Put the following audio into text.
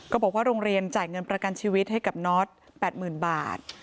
บอกว่าโรงเรียนจ่ายเงินประกันชีวิตให้กับน็อต๘๐๐๐บาท